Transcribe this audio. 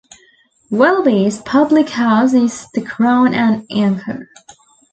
Welby's public house is the "Crown and Anchor".